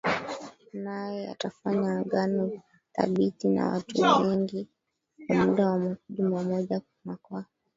Naye atafanya agano thabiti na watu wengi kwa muda wa juma moja na kwa